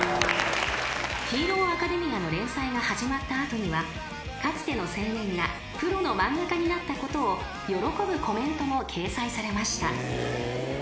［『ヒーローアカデミア』の連載が始まった後にはかつての青年がプロの漫画家になったことを喜ぶコメントも掲載されました］